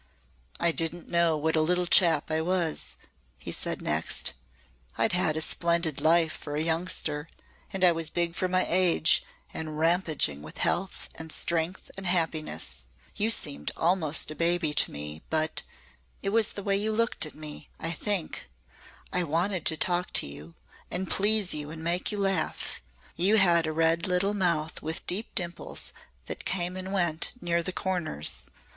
"I didn't know what a little chap I was," he said next. "I'd had a splendid life for a youngster and I was big for my age and ramping with health and strength and happiness. You seemed almost a baby to me, but it was the way you looked at me, I think I wanted to talk to you, and please you and make you laugh. You had a red little mouth with deep dimples that came and went near the corners.